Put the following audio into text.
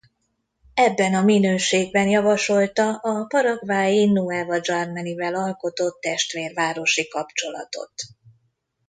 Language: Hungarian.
Ebben a minőségben javasolta a paraguayi Nueva Germania-val alkotott testvérvárosi kapcsolatot.